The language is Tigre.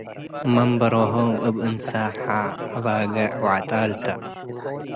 መንበሮሆም እብ እንሰ፡ ሐ፡ አባጌዕ ወዐጣል ተ ።